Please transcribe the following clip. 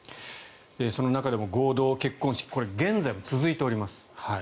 その中でも合同結婚式これ、現在も続いております。